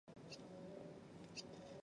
之后戏剧作品不断并往中国大陆发展。